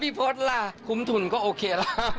พี่พดล่ะคุ้มทุนก็โอเคแล้ว